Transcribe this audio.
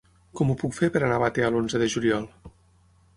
Com ho puc fer per anar a Batea l'onze de juliol?